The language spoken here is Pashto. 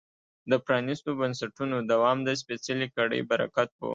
د پرانیستو بنسټونو دوام د سپېڅلې کړۍ برکت و.